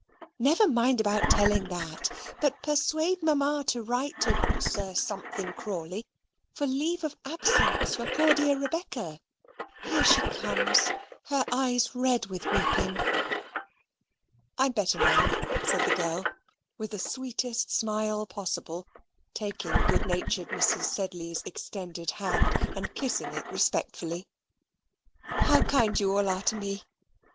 "Never mind about telling that; but persuade Mamma to write to Sir Something Crawley for leave of absence for poor dear Rebecca: here she comes, her eyes red with weeping." "I'm better, now," said the girl, with the sweetest smile possible, taking good natured Mrs. Sedley's extended hand and kissing it respectfully. "How kind you all are to me!